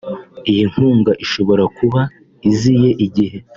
Iyi nkunga ishobora kuba iziye igihe